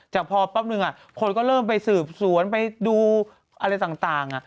แต่พอปั๊บหนึ่งคนก็เริ่มไปสืบสวนไปดูอะไรต่าง